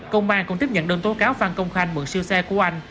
công an cũng tiếp nhận đơn tố cáo phan công khanh mượn siêu xe của anh